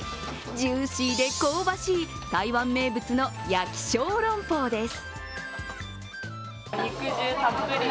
ジューシーで香ばしい台湾名物の焼小籠包です。